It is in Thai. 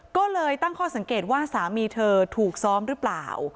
ก็เลยตั้งข้อสังเกตว่าสามีเธอถูกซ้อมหรือเปล่า